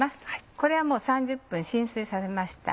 これはもう３０分浸水させました。